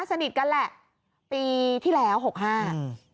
สนิทกันแหละปีที่แล้วหกห้าอืม